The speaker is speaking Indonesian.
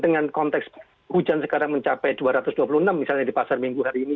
dengan konteks hujan sekarang mencapai dua ratus dua puluh enam misalnya di pasar minggu hari ini